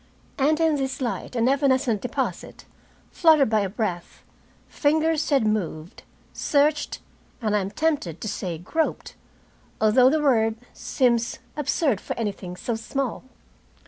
And in this light and evanescent deposit, fluttered by a breath, fingers had moved, searched, I am tempted to say groped, although the word seems absurd for anything so small.